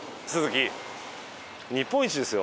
日本一ですよ。